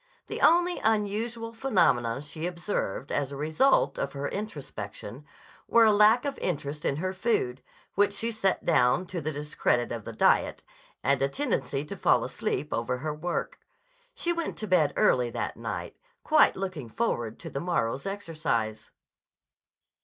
The only unusual phenomena she observed as a result of her introspection were a lack of interest in her food, which she set down to the discredit of the diet, and a tendency to fall asleep over her work. She went to bed early that night, quite looking forward to the morrow's exercise.